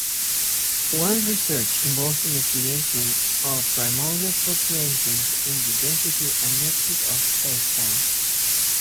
Wands' research involves investigation of primordial fluctuations in the density and metric of spacetime.